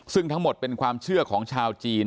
ซึ่งทั้งหมดเป็นความเชื่อของชาวจีน